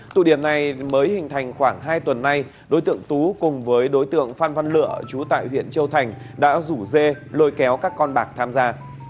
tụ điểm này mới hình thành khoảng hai tuần nay đối tượng tú cùng với đối tượng phan văn lựa chú tại huyện châu thành đã rủ dê lôi kéo các con bạc tham gia